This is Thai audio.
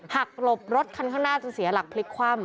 หลบรถคันข้างหน้าจนเสียหลักพลิกคว่ำ